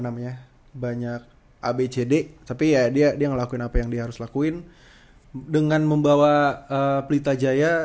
namanya banyak abcd tapi ya dia ngelakuin apa yang dia harus lakuin dengan membawa pelita jaya